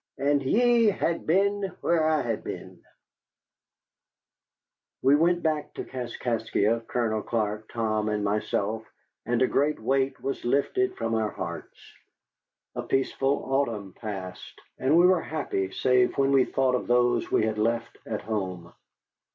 "AN' YE HAD BEEN WHERE I HAD BEEN" We went back to Kaskaskia, Colonel Clark, Tom, and myself, and a great weight was lifted from our hearts. A peaceful autumn passed, and we were happy save when we thought of those we had left at home.